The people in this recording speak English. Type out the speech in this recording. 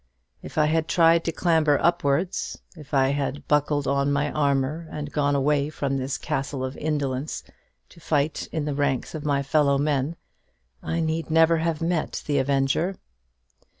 If I had tried to clamber upwards, if I had buckled on my armour, and gone away from this castle of indolence, to fight in the ranks of my fellow men, I need never have met the avenger.